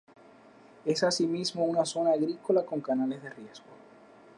Es asimismo una zona agrícola con canales de riego.